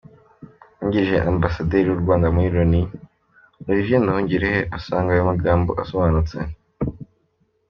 Uwungirije Ambasaderi w’u Rwanda muri Loni, Olivier Nduhungirehe asanga ayo magambo asonbanutse.